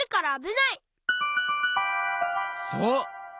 そう！